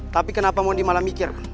tapi kenapa mondi malah mikir